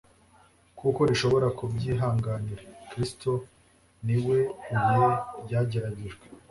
kuko rishobora kubyihanganira. Kristo ni we Buye ryageragejwe.